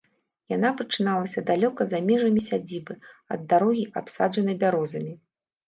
Яна пачыналася далёка за межамі сядзібы, ад дарогі, абсаджанай бярозамі.